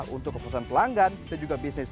untuk keputusan pelanggan dan juga bisnis